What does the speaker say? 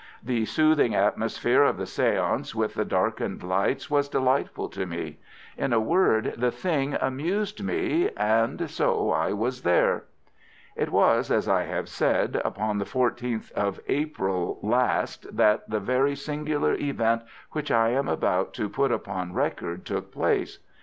The soothing atmosphere of the séance with the darkened lights was delightful to me. In a word, the thing amused me, and so I was there. It was, as I have said, upon the 14th of April last that the very singular event which I am about to put upon record took place.